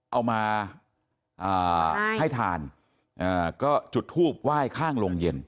เอามาให้ทานก็จุดทูบไหว้ข้างโรงเย็น